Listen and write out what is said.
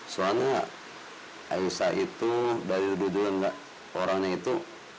soalnya aisyah itu dari ujuan orangnya itu